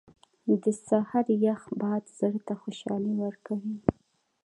• د سهار یخ باد زړه ته خوشحالي ورکوي.